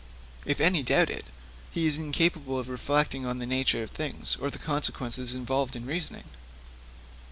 'If any doubt it, he is incapable of reflecting on the nature of things, or the consequences involved in reasoning.'